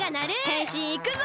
へんしんいくぞ！